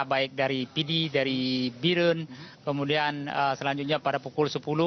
baik dari pidi dari biren kemudian selanjutnya pada pukul sepuluh